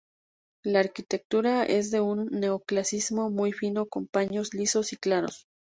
La arquitectura es de un neo-clasicismo muy fino con paños lisos y claros.